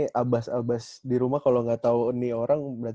ini abas abas di rumah kalau tidak tahu ini orang berarti berarti